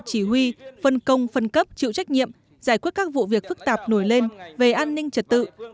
chỉ huy phân công phân cấp chịu trách nhiệm giải quyết các vụ việc phức tạp nổi lên về an ninh trật tự